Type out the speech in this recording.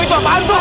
aduh ini apaan tuh